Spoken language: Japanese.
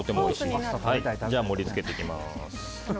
では盛り付けていきます。